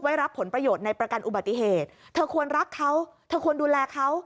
รับผลประโยชน์ในประกันอุบัติเหตุเธอควรรักเขาเธอควรดูแลเขา